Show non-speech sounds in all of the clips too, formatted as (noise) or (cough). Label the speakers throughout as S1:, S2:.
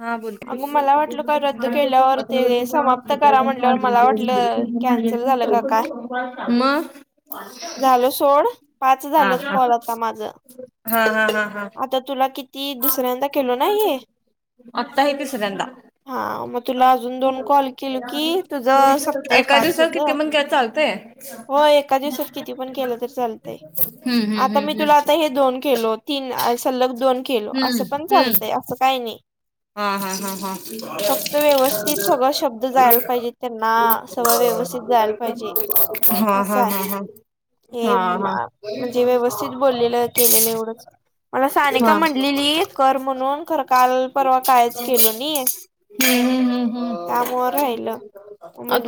S1: हा ब
S2: अगं मला वाटलं काय रद्द
S1: अ्रवर्षच्या
S2: केल्यावर ते समाप्त करा
S1: विद्यार्थ्यांच्या.
S2: म्हटल्यावर मला वाटलं कॅन्सल
S1: (unintelligible)
S2: झालं का
S1: चौकशी मग.
S2: झाल सोड पाच
S1: हा
S2: झाल कॉल आता माझं.
S1: हा हा हा हा हा.
S2: आता तुला किती दुसऱ्यांदा केलना हे.
S1: आता हे तिसरंदा.
S2: हा मग तुला अजून दोन कॉल केल कि तुझं सपता आहे
S1: एका दिवसात
S2: पाचेच.
S1: किती पण काय चालतंय
S2: (inaudible) हो एका दिवसात किती पण केलं तर चालतंय
S1: हम्म
S2: आता
S1: हम्म
S2: मी तुला आता हे दोन केलोत. तीन सलग दोन केलो
S1: हम्म हम्म
S2: असं
S1: हम्म
S2: पण
S1: हम्म
S2: चालतंय असं काही नाही.
S1: हा हा हा हा
S2: (inaudible) फक्त व्यवस्थित सगळं शब्द जायला पाहिजे त्यांना. सवळ व्यवस्थित जायला पाहिजे
S1: हा हा
S2: असय.
S1: हा हा
S2: हे
S1: हा हा
S2: म्हणजे व्यवस्थित बोललेलं केलेलं एवढंच. मला
S1: हा
S2: सानेिका म्हटलेली करर म्हणून खरं काल परवा कायच केलो नाही.
S1: हम्म हम्म हम्म हम्म
S2: त्यामुळे राहिलं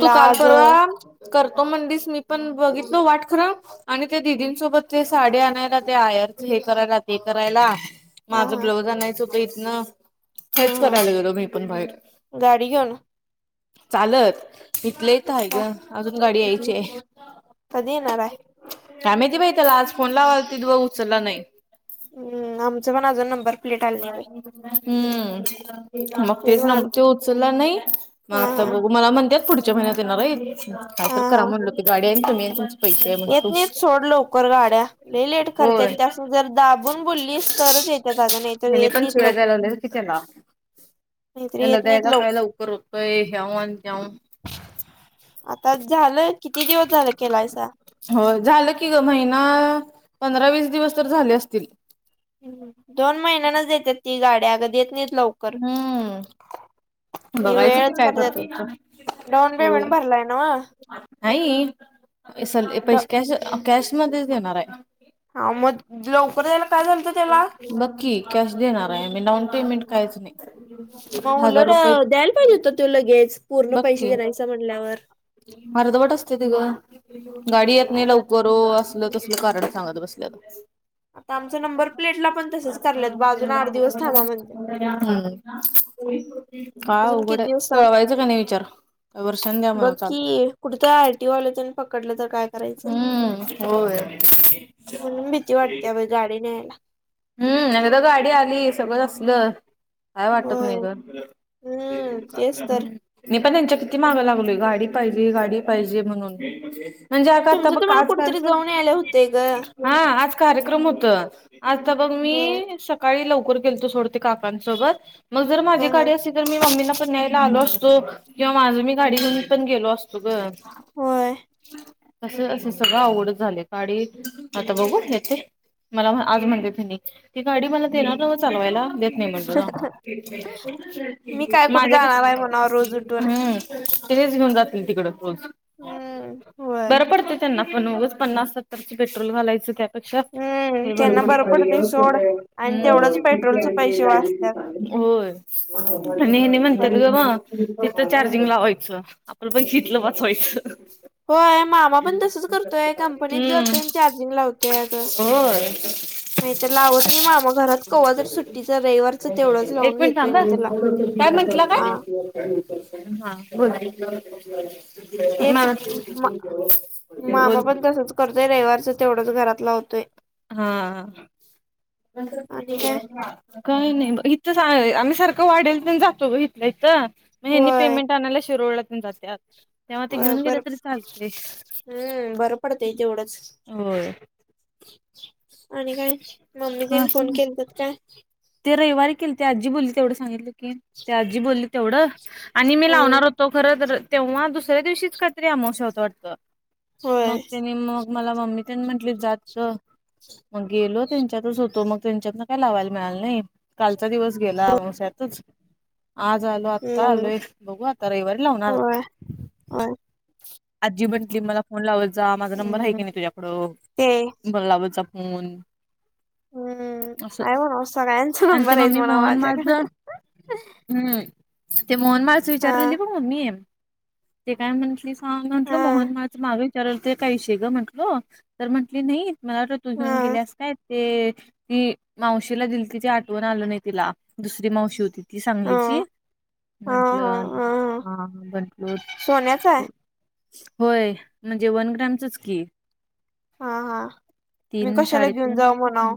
S1: तू काल
S2: आज.
S1: परवा करतो म्हणदिस मी पण बघितलो वाट खरं. आणि त्या दिदींसोबत ते साडी आणायला ते आयेरच हे करायला ते करायला. माझं
S2: हा
S1: ब्लाउज आणायच होत इथनं.
S2: ह
S1: हेच करायला
S2: ह
S1: गेलो मी पण बाहेर
S2: गाडी घेऊन
S1: (inaudible) चालत इथल्या इथ काय ग
S2: सा-
S1: अजून गाडी
S2: इथनं.
S1: यायचीये. (inaudible)
S2: कधी येणार आहे?
S1: काय महिती बई त्याला आज फोन लावलतीत बग उचलला नाही.
S2: हम्, आमचं पण अजून नंबर प्लेट अली नाही बाई.
S1: हम्म, मग तेच न त्यो उचलला नई मग
S2: हा
S1: आता
S2: हा
S1: बघू मला म्हणत्यात पुढच्या महिन्यात येणारयत काय
S2: हा
S1: तर करा
S2: हा
S1: म्हणलो ती गाडीय अन् तुम्हीय
S2: येत नईत सोड लवकर गाड्या. लय लेट करत्यात
S1: होय
S2: त्यास जरा दाबून बोलीस तरच येत्यात अगं नाही.
S1: ह पण सळ जायला तिथ ना.
S2: नाहीतर
S1: एल
S2: येत नाहीत
S1: देग
S2: लवकर
S1: कायला उकरर होतय ह्याव अन जाव.
S2: आता झालं किती दिवस झालं केलायसा.
S1: हो झालं की ग महिना पंधरा वीस दिवस तर झाले असतील
S2: दोन महिन्यानच देतात ती गाड्या अगं देत नाहीत लवकर.
S1: हम्म.
S2: ती
S1: बघायचं की
S2: वेळच
S1: काय
S2: करतात
S1: करतोय इथ
S2: डाऊन पेमेंट
S1: होय
S2: भरलाय ना
S1: (inaudible) नाही स पैस कॅश कॅश मध्येच देणारय
S2: हा मत. लवकर यायला काय.
S1: बघकी कॅश देणाराय मी डाउन पेमेंट काहीच नाही.
S2: मग
S1: हजार
S2: उलट
S1: रुपये
S2: द्यायला पाहिजे होत त्यो लगेच पूर्ण
S1: बघ
S2: पैसे
S1: की
S2: दिलायसा म्हणल्यावर.
S1: अर्धवट असत्याति गं गाडी येत
S2: काय
S1: नाही
S2: ना
S1: लवकर ओ असलं तसलं कारण सांगत बसल्यात.
S2: आता आमचं नंबर प्लेटला पण तसंच करल्यात बघ अजून आठ दिवस थांबा म्हणत्यात.
S1: (unintelligible) काय
S2: अजून किती
S1: अवघडाय
S2: दिवस थांब
S1: पळवायचं क नाय विचार वर्षान द्या म्हणाव चालतंय
S2: कुठतर आरटी वाल्या (unintelligible) पकडलं तर काय करायचं.
S1: हम्म होय
S2: (inaudible) म्हणून भीती वाटत्या बई गाडी न्यायला.
S1: हम्म एकदा गाडी आली सगळ असलं. काय वाटत
S2: होय
S1: नाही ग
S2: हम्म तेच तर
S1: (inaudible) मी पण त्यांच्या किती माग लागलोय गाडी, पाहिजे गाडी पाहिजे म्हणून. म्हणजे आता आता
S2: तुमचं
S1: बघ
S2: तुम्हाला
S1: काच
S2: कुठेतरी जाऊन यायला होतंय ग.
S1: (unintelligible) हा.. आज कार्यक्रम हुतं आता बघ
S2: होय.
S1: मी सकाळी लवकर गेलतो थोड. काकांसोबत मग जर माझी
S2: हा हा
S1: गाडी असती तर मी मम्मींना पण न्यायला आलो असतो. किंवा माझं मी गाडी घेऊन पण गेलो असतो ग.
S2: होय.
S1: असं असं सगळं अवघडच झालंय काडी आता बघू येते मला आज म्हणत्यात हेनी ती गाडी मला देणार नव चालवायला देत नाही म्हणलो जा
S2: मी काय कुठे
S1: माझ्या
S2: जाणार आहे म्हणावं रोज उठून.
S1: हम् तिथेच घेऊन जातील तिकड रोज
S2: हम्म होय.
S1: बरं पडते त्यांना पण उगाच पन्नास सत्तर च पेट्रोल घालायचं त्यापेक्षा
S2: हम्म
S1: हे बर
S2: त्यांना बरं
S1: पडतंय
S2: सोड
S1: (inaudible)
S2: आणि
S1: हम्म
S2: तेवढंच पेट्रोलचे पैसे वाचत्यात
S1: होय आणि (unintelligible) म्हणत्यात
S2: बरं.
S1: (unintelligible) तिथं चार्जिंग लावायचं आपला पैसा वाचवायचं
S2: होय मामा पण तसच करतोय कंपनीत
S1: हम्म
S2: जातोय चार्जिंग लावतोय अगं.
S1: होय
S2: (inaudible) नाहीतर लावत नाही मामा घरात कवा तर सुट्टीच रविवारच तेवढंच लावून
S1: एक मिनिट
S2: घेतोय
S1: थांबा
S2: (unintelligible) त्याला.
S1: काय म्हटला काय
S2: हा
S1: हा बोल
S2: तेच
S1: मला
S2: मा मामा
S1: बोल.
S2: पण
S1: (unintelligible)
S2: तसंच करतोय रविवारच तेवढंच घरातला होतोय.
S1: हा.
S2: आणि काय
S1: (unintelligible) काही नाही बघ इथं आम्ही सारखं वाढेल पण जातो ब इथलं इथं. महिननी
S2: होय
S1: पेमेंट आनला शुरवळातन रा.
S2: अ बर हम्म बरं पडत तेवढंच.
S1: होय
S2: आणि काय मम्मी देन
S1: काही
S2: फोन
S1: नाही
S2: केले जात काय?
S1: ते रविवारी केली ते आजी बोलली तेवढं सांगितलं की ते आजी बोलली तेवढं आणि मी
S2: हम्म
S1: लावणार होत. तो खर तेव्हा दुसऱ्या दिवशीच काहीतरी आमव शवत वाटत
S2: होय
S1: मग त्याने मग. मला मम्मी त्यानी म्हटली जात. मग गेलो त्यांच्यातच होतो मग त्यांच्यातन काही लावायला मिळालं नाही. कालचा दिवस गेलाश्यातच आज आलो आत्ता
S2: हम्म
S1: आलोय. बघू आता रविवारी लावणार
S2: होय
S1: आता.
S2: होय
S1: आजी म्हंटली मला फोन लावत जा माझा नंबर हाय की
S2: हम्म
S1: नाय तुझ्याकडं.
S2: ते
S1: (inaudible) बंगलावरचा फोन.
S2: हम्म
S1: (inaudible) असं
S2: काय म्हणाव सगळ्यांच
S1: आणि ते
S2: नंबर आहेत
S1: मम्मी
S2: म्हणाव
S1: मोहन माझ.
S2: माझ्याकडे
S1: हम्म ते मोहनमालच
S2: हा
S1: विचारलेली बघ म मी. ते काय म्हंटलीस? हां म्हंटल
S2: हा
S1: मोहन मां मागे विचारलं ते काही हिशेग म्हटल तर म्हटली नाही. मला वाट तू घेऊन
S2: हा
S1: गेलेस काय ते. ती मावशीला दिली तिथ आठवण आलं नाही तिला दुसरी मावशी होती ती सांगली.
S2: हा हा हा
S1: म्हटलं हा म्हंटलो
S2: सोन्याचा आहे
S1: (unintelligible) होय म्हणजे वन ग्रामचच की.
S2: हा हा. मी
S1: तीन
S2: कशाला घेऊन
S1: साडेतीीन
S2: जाऊ म्हणाव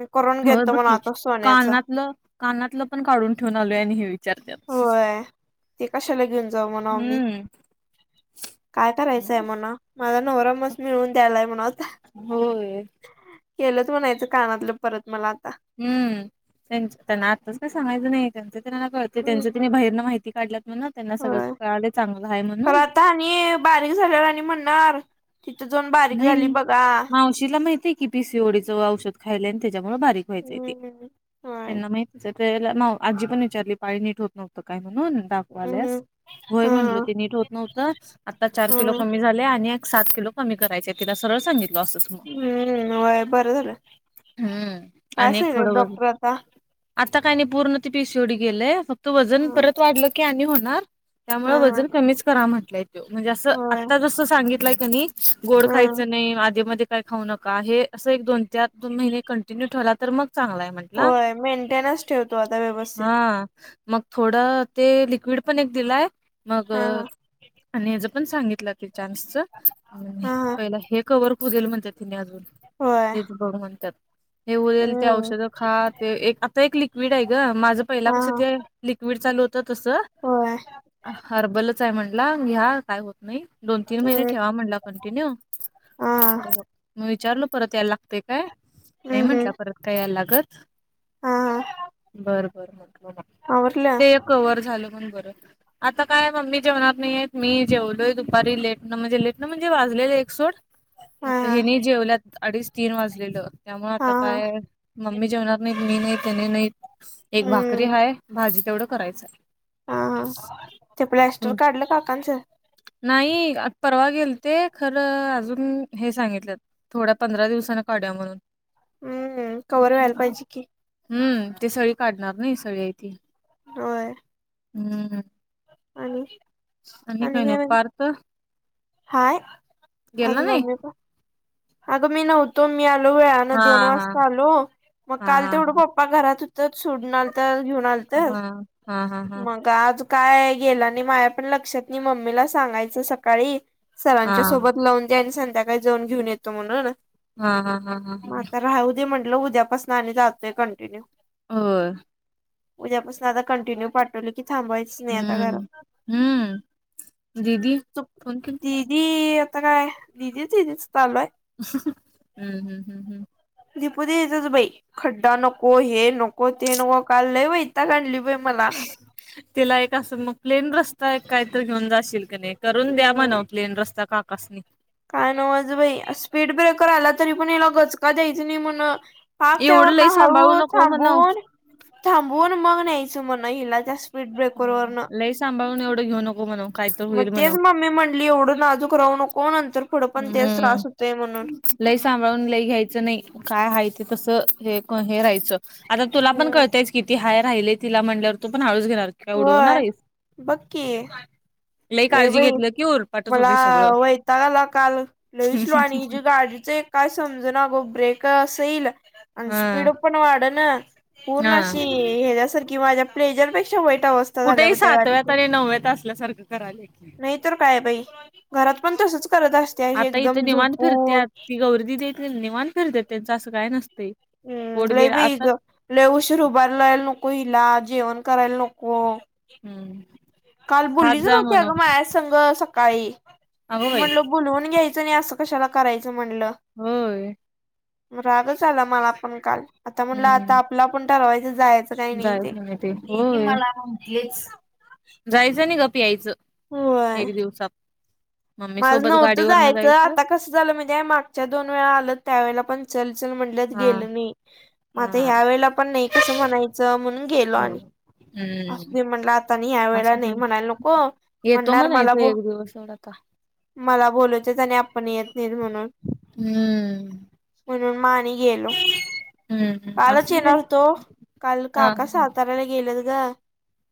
S2: मी करून
S1: हो
S2: घेतो म्हणाव
S1: बकी
S2: आता सोन्याच
S1: कानातलं. कानातलं पण काढून ठेऊून आलोय आणि हेवी. (inaudible) च
S2: होय ते कशाला घेऊन जाऊ म्हणाव मी
S1: हम्म.
S2: काय करायचंय म्हणा माझा नवरमच मिळवून द्यायलाय म्हण आता.
S1: होय.
S2: केलंच म्हणायचं कानातलं परत मला आता.
S1: हम्म त्यां त्यांना आत्ताच का सांगायचं नाही त्यांच त्यां त्यांना कळत. ते त्यांचं
S2: हम्म.
S1: तिने बाहिरनं माहिती काढल्यात म्हण ना त्यांना सगळं
S2: होय
S1: कळाले चांगलं आहे
S2: खरं
S1: म्हणून.
S2: आता आणि बारीक झाल्याला आणि म्हणणार तिथे जाऊन बारीक झाली बघा.
S1: तिला माहिती की पीसीओडी चं औषध खायलयं, आणि त्याच्यामुळे बारीक व्हायचं आहे ते.
S2: हम्म. होय.
S1: त्यांना माहितच त्यावेळेला आजी पण विचारली पाळी नीट होत नव्हते, काय म्हणून
S2: हम्म
S1: दाखवल्यास? व्हय
S2: हा
S1: म्हटलो, ते नीट होत नव्हतं आता चार किलो
S2: हम्म
S1: कमी झालयं, आणि एक सात किलो (unintelligible) कमी करायचं तिला सरळ सांगितलो असं.
S2: हम्म होय बरं झालं
S1: हम्म!
S2: काय
S1: आणि एक थोडं
S2: सांगितलं
S1: वजन
S2: डॉक्टर आता
S1: आता काही नाही पूर्ण ते पिसीओडी गेलयं, फक्त वजन
S2: हा
S1: परत वाढलं की आणि होणार. त्यामुळे
S2: हा
S1: वजन कमीच करा म्हटलंय तो म्हणजे, असं
S2: होय
S1: आत्ता जसं सांगितलंय कनइ गोड
S2: हा
S1: खायचं नाही, आधेमध्ये काय खाऊ नका, हे असं एक दोन, चार, दोन महिने कंटिन्यू ठेवला, तर मग चांगला आहे म्हणत्यात.
S2: होय, मेंटेन्स ठेव तु आता व्यवस्थित.
S1: हा मग थोडं ते लिक्विड, पण एक दिलाय मग
S2: हा हा
S1: आणि हेच पण सांगितलं, ते चान्सच
S2: हा
S1: पहिला हे कवर होऊ देेल म्हणत्यात तेनी अजून.
S2: होय
S1: हेच बघ म्हणतात. हे उरेल ते
S2: हम्म
S1: औषधं खा ते एक आता एक लिक्विड आहे, गं माझं पहिला
S2: हा
S1: कसं
S2: हा
S1: ते लिक्विड चालू त तस.
S2: होय.
S1: हर्बलच आहे म्हणला घ्या, काय होत नाही दोन, तीन महिने ठेवा
S2: हम्म
S1: म्हणला.
S2: हा
S1: (unintelligible) विचारलो परत याय ते काय नाही
S2: हम्म
S1: म्हटलं, परत काय यायला लागतं.
S2: हा हा
S1: बरं बरं म्हटलो मग.
S2: आवरलं.
S1: ते कवर झालं म्हणून, बरं. आता काय मम्मी जेवणार नाहीये, मी जेवलोय दुपारी लेट न म्हणजे, (unintelligible) वाजलेले एक सोड
S2: हा
S1: आता
S2: हा
S1: हेनी जेवल्यात अडीच तीन वाजलेलं. त्यामुळे आता
S2: हा
S1: काय मम्मी जेवणार नाहीत, मी नाही त्यांनी नाहीत. एक भाकरी
S2: हम्म
S1: हाय, भाजी तेवढं करायचं हाय.
S2: हा हा ते प्लास्टर काढलं काकाचं?
S1: नाही, आता परवा गेल ते खरं अजून हे सांगितल्यात थोड्या पंधरा दिवसान काढूया म्हणून,
S2: हम्म! हम्म! कवर व्हायला पाहिजे की,
S1: हम्म! ते सळी काढणार नाही, सळी आहे ती.
S2: होय.
S1: हम्म! हम्म!
S2: आणि आणि
S1: काही नाही
S2: काय?
S1: पार्थ
S2: (unintelligible) हाय!
S1: गेला नाही
S2: (unintelligible) अगं मी नव्हतो, मी आलो वेळान
S1: हा
S2: दोन
S1: हा
S2: वाजता आलो मग
S1: हा
S2: काल तेवढं पप्पा पप्पा घरात हुतत सोडून आलतं, घेऊन आलतं
S1: हा हा हा हा हा
S2: मग आज काय गेला? आणि माया पण लक्षात नाही, मम्मीला सांगायच सकाळी.
S1: हा
S2: सरांच्या सोबत लावून दे, आणि संध्याकाळी जाऊन घेऊन येतो म्हणून,
S1: हा हा हा हा
S2: मग आता राहू दे म्हटलं, उद्यापासून आणि जातोय कंटिन्यूव.
S1: होय.
S2: उद्यापासून आता कंटिन्यूव पाठवलं की थांबा
S1: हम्म! हम्म दीदी फोन केलती?
S2: ती आता काय दिदी (unintelligible) चालूयं.
S1: (unintelligible) ह ह ह.
S2: दीपू दिदीचचं बाई! खड्डा नको हे नको ते नको, काल लय वैताग आणली बाई! मला.
S1: तिला एक असं मग प्लेन रस्ता एक काही, तर घेऊन जाशील कणाय? करून द्या
S2: हम्म
S1: म्हणाव, प्लेन रस्ता काकासनी.
S2: काय नवच बाई स्पीड ब्रेकर आला, तरी पण याला गचका द्यायच नाही म्हण. पाक
S1: एवढं
S2: त्यावरन
S1: लई सांभाळू
S2: हळू
S1: नको म्हणाव.
S2: थांबून- थांबून मग न्यायच म्हण हिला जास
S1: लई सांभाळून एवढं घेऊ नको म्हणावं
S2: मग तेच मम्मी म्हणली एवढं नाजूक राहू नको नंतर पुढं पण तेच
S1: हम्म
S2: त्रास होतोय म्हणून
S1: लय सांभाळून लय घ्यायचं नाही काय हाय ते तसं हे हे राहायचं आता तुला पण
S2: हम्म
S1: कळताय किती हाय राहिलय तिला म्हणल्यावर तु पण हळूच घेणार काय उडवणार
S2: होय
S1: आहेस.
S2: बघ की
S1: लई
S2: लय
S1: काळजी
S2: बाई
S1: घेतलं की उरपाटच
S2: मला
S1: होतय सगळं.
S2: वैताग आला काल लय स्लो आणि हिच्या गाडीच एक - काय समजना अगं ब्रेक अस इल आणि
S1: हा
S2: स्पीड पण वाढणा पूर्ण
S1: हा
S2: अशी ह्याच्यासारखी माझ्या प्लेजरपेक्षा वाईट अवस्था झाल्या ब
S1: कुठही
S2: त्या
S1: सातव्यात
S2: गाडीची
S1: आणि नवव्यात असल्यासारखं कराल्या
S2: नाही तर काय बाई घरात पण तसच करत अस
S1: आता इथं निवांत फिरत्यात ती गौरी दीदी आहेत निवांत फिरत्यात त्यांचं असं काय नसतय
S2: हम्म लई बाई हीच लई उशीर उभारायला नको हिला जेवण करायला नको
S1: हम्म
S2: काल
S1: खात
S2: बोललीच
S1: जा
S2: नव्हती
S1: म्हणाव.
S2: अगं माया संघ सकाळी
S1: अगं बाई
S2: म्हणलं बोलवून घ्यायचं आणि असं कशाला करायचं म्हणलं
S1: होय
S2: रागच आला मला पण काल आता म्हणलं आता आपला आपण ठरवायचं जायचं काही नाही ते दीदी मला म्हटलीच
S1: जायचं आणि गप यायचं एक दिवसात मम्मी
S2: माझ
S1: सोबत
S2: नव्हतं
S1: गाडीवरन
S2: जायचं आता कसं झालं म्हणजे मागच्या दोन वेळा आलं त्यावेळेला पण चलचल म्हणल्यात
S1: हा
S2: गेलं नाही मग आता
S1: हा.
S2: ह्या वेळेला पण नाही कसं म्हणायचं म्हणून गेलो
S1: हो.
S2: आणि असु
S1: हम्म
S2: दे म्हटल आता आणि या वेळेला
S1: असू दे.
S2: नाही म्हणायला नको
S1: येतो
S2: म्हणणार मला
S1: म्हणायच
S2: बो
S1: एक दिवस एवढ अता
S2: मला बोलवत्यात आणि आपण येत नाहीत म्हणून
S1: हम्म.
S2: म्हणून म आणि गेलो
S1: हम्म
S2: कालच
S1: असू दे
S2: येणार होतो काल
S1: हा
S2: काका साताऱ्याला गेल्यात ग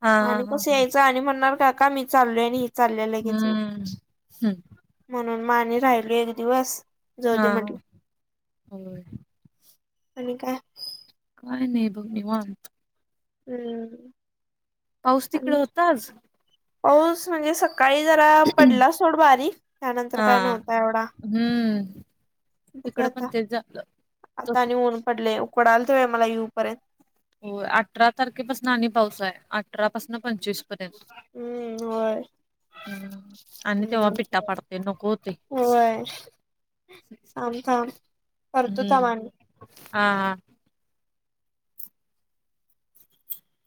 S1: हा हा.
S2: कस यायचं आणि म्हणणार काका मी चालोय आणि ही चालल्या लगेच
S1: हम्म हम
S2: म्हणून म आणि राहिलो एक दिवस
S1: हा
S2: जाऊदे म्हटलं
S1: होय.
S2: आणि काय
S1: काय नाही बघ निवांत
S2: हम्म
S1: पाऊस तिकड
S2: आणि
S1: होता आज
S2: पाऊस म्हणजे सकाळी जरा पडला सोड बारीक त्यानंतर
S1: हा
S2: काय नव्हता एवढा
S1: हम्म
S2: बघ
S1: इकडं पण
S2: आता
S1: तेच झालं. तो
S2: आता आणि ऊन पडलय उकडाल त बय मला यू पर्यंत
S1: होय अठरा तारखेपासून आणि पाऊसाय अठरा पाासन पंचवीस पर्यंत
S2: हम्म होय
S1: हम् आणि तेव्हा
S2: हम्म
S1: पिट्टा पडतय नको होतय
S2: थाम थाम करतो
S1: हम्म
S2: थाम अणि
S1: हा हा